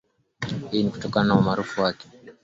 hii ni kutokana na umaarufu wake